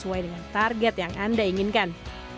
sesuai dengan target yang anda inginkan